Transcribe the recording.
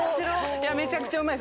めちゃくちゃうまいです。